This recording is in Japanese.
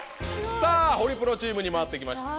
さぁホリプロチームに回って来ました。